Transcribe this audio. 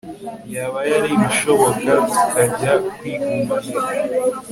yabaye aribishoboka tukajya twigumanira